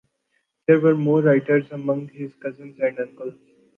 There were more writers among his cousins and uncles.